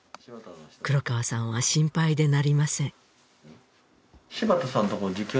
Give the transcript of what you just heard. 黒川さんは心配でなりません